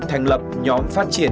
thành lập nhóm phát triển